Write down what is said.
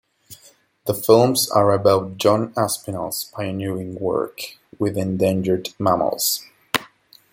The films are about John Aspinall's pioneering work with endangered mammals.